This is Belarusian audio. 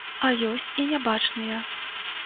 А ёсць і нябачныя.